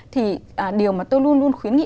thì điều mà tôi luôn luôn khuyến nghị